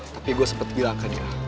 tapi gue sempat bilang ke dia